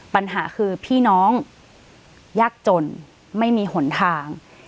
ปัญหาคือพี่น้องยากจนไม่มีหนทาง